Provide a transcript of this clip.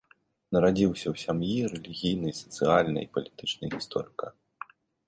Нарадзіўся ў сям'і рэлігійнай, сацыяльнай і палітычнай гісторыка.